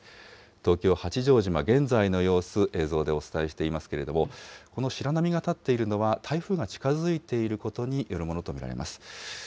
東京・八丈島、現在の様子、映像でお伝えしていますけれども、この白波が立っているのは、台風が近づいていることによるものと思われます。